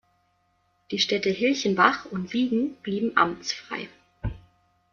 Die Städte Hilchenbach und Siegen blieben amtsfrei.